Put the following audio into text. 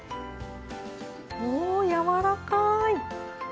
おー、やわらかい！